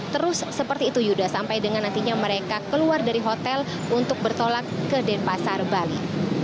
terus seperti itu yuda sampai dengan nantinya mereka keluar dari hotel untuk bertolak ke denpasar bali